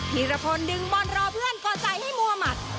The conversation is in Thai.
ีรพลดึงบอลรอเพื่อนก่อนใส่ให้มัวหมัด